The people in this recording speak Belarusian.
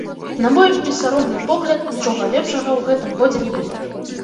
На мой бессаромны погляд, нічога лепшага ў гэтым годзе не было.